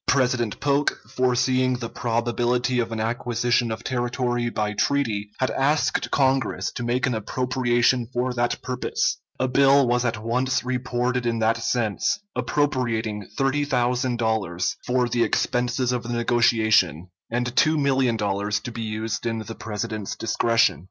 President Polk, foreseeing the probability of an acquisition of territory by treaty, had asked Congress to make an appropriation for that purpose. A bill was at once reported in that sense, appropriating $30,000 for the expenses of the negotiation and $2,000,000 to be used in the President's discretion.